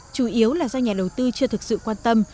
chủ yếu là do nhà đầu tư chưa thực sự quan tâm